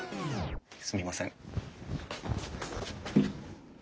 すみません。